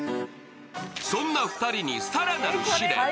そんな二人に更なる試練。